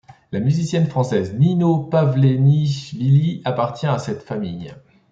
La musicienne française Nino Pavlenichvili appartient à cette famille.